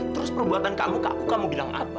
terus perbuatan kamu kakak kamu bilang apa